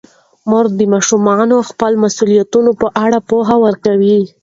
مور د ماشومانو د خپلو مسوولیتونو په اړه پوهه ورکوي.